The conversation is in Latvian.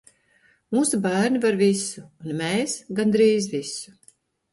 Mūsu bērni var visu, un mēs- gandrīz visu!